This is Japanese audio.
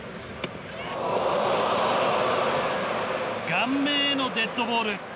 顔面へのデッドボール。